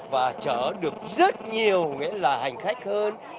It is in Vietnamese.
và chở được rất nhiều hành khách hơn